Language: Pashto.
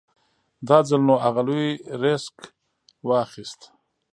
دا ځل نو اغه لوی ريسک واخېست.